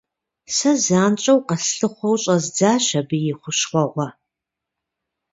Сэ занщӀэу къэслъыхъуэу щӀэздзащ абы и хущхъуэгъуэ.